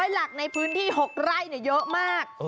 หลักในพื้นที่๖ไร่เยอะมาก